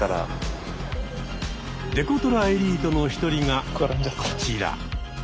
デコトラエリートの一人がこちら。